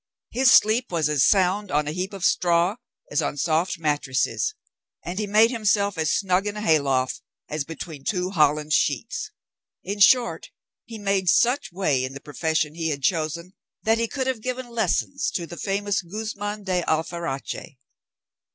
His sleep was as sound on a heap of straw as on soft mattresses, and he made himself as snug in a hayloft as between two Holland sheets. In short, he made such way in the profession he had chosen, that he could have given lessons to the famous Guzman de Alfarache.